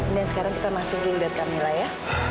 dan sekarang kita masuk ke rumah camilla ya